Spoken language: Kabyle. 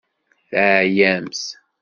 Teɛyamt.